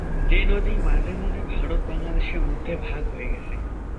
যে নদী মাঝে মাঝে ভারত বাংলাদেশের মধ্যে ভাগ হয়ে গেছে।